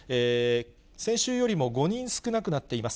先週よりも５人少なくなっています。